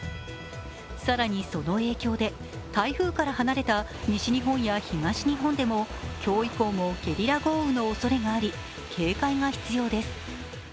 更に、その影響で台風から離れた西日本や東日本でも今日以降もゲリラ豪雨のおそれがあり警戒が必要です。